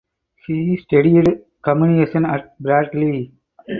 He studied communications at Bradley.